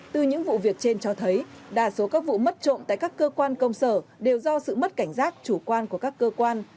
từ những vụ việc trên cho thấy đa số các vụ mất trộm tại các cơ quan công sở đều do sự mất cảnh giác chủ quan của các cơ quan